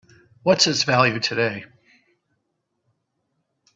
What's its value today?